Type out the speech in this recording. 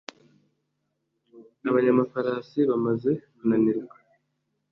abanyamafarasi bamaze kunanirwa